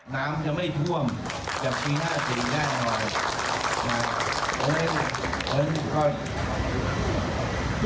น้ำจะไม่ท่วมจะพรีหน้าเสียงได้หน่อย